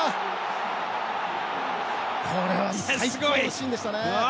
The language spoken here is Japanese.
これは最高のシーンでしたね。